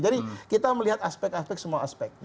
jadi kita melihat aspek aspek semua aspek